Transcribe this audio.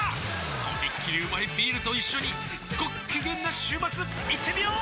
とびっきりうまいビールと一緒にごっきげんな週末いってみよー！